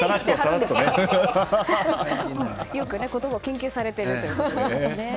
よく言葉を研究されているということですね。